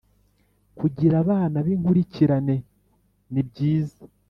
kugira abana binkurikirane ni byiza